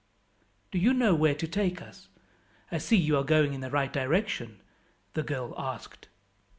"Do you know where to take us? I see you are going in the right direction?" the girl asked.